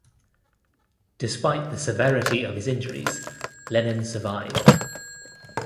Despite the severity of his injuries, Lenin survived.